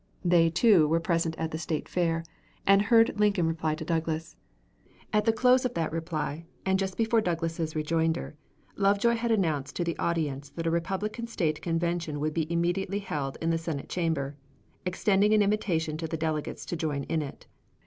They, too, were present at the State Fair, and heard Lincoln reply to Douglas. At the close of that reply, and just before Douglas's rejoinder, Lovejoy had announced to the audience that a Republican State Convention would be immediately held in the Senate Chamber, extending an invitation to delegates to join in it.